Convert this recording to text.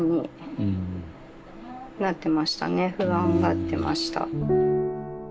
不安がってました。